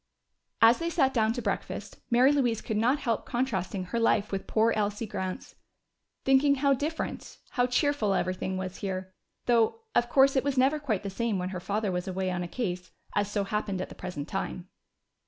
As they sat down to breakfast Mary Louise could not help contrasting her life with poor Elsie Grant's. Thinking how different, how cheerful everything was here though of course it was never quite the same when her father was away on a case, as so happened at the present time.